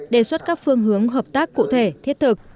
đề xuất các phương hướng hợp tác cụ thể thiết thực